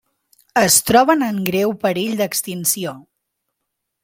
Es troben en greu perill d'extinció.